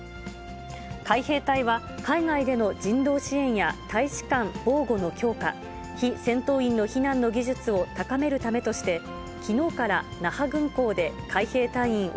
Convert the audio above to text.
海兵隊は、海外での人道支援や大使館防護の強化、非戦闘員の避難の技術を高めるためとして、きのうから那覇軍港で海兵隊員